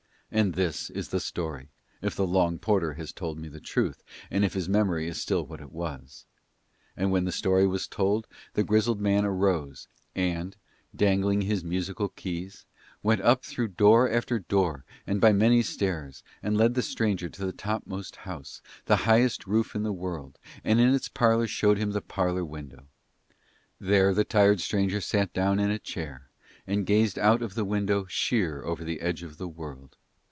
And this is the story, if the long porter has told me the truth and if his memory is still what it was. And when the story was told, the grizzled man arose, and, dangling his musical keys, went up through door after door and by many stairs and led the stranger to the top most house, the highest roof in the world, and in its parlour showed him the parlour window. There the tired stranger sat down in a chair and gazed out of the window sheer over the Edge of the World.